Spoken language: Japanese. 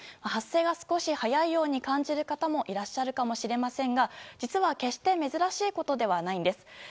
発生が少し早いように感じる方もいらっしゃるかもしれませんが実は、決して珍しいことではないんです。